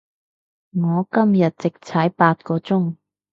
我今日直踩八個鐘